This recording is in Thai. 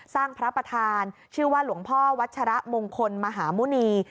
พระประธานชื่อว่าหลวงพ่อวัชระมงคลมหาหมุณี